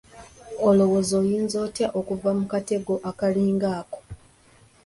Olowooza oyinza otya okuva mu katego akalinga ako?